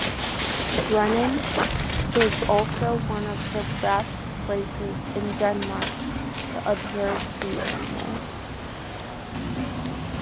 Grenen is also one of the best places in Denmark to observe sea mammals.